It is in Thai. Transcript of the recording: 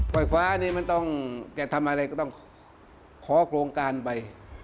ไฟฟ้านี่มันต้องจะทำอะไรก็ต้องขอโครงการไป